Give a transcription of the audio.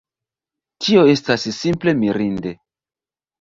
Tio estas simple mirinde!